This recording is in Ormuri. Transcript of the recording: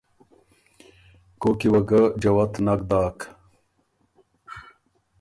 کوک کی وه ګۀ جوت نک داک۔